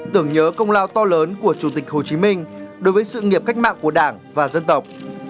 tưởng nhớ công lao to lớn của chủ tịch hồ chí minh đối với sự nghiệp cách mạng của đảng và dân tộc